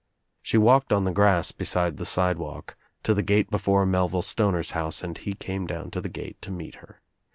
She walked on the grass beside the sidewalk to the gate before Melville Stoner's house and he came dovn to the gate to meet her.